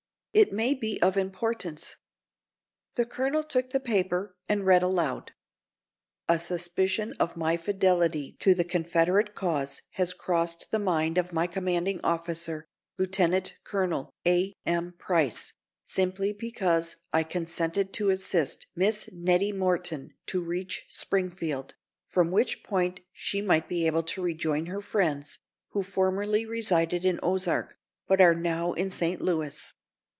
It may be of importance." The colonel took the paper and read aloud: "A suspicion of my fidelity to the Confederate cause has crossed the mind of my commanding officer, Lieutenant Colonel A. M. Price, simply because I consented to assist Miss Nettie Morton to reach Springfield, from which point she might be able to rejoin her friends, who formerly resided in Ozark, but are now in St. Louis.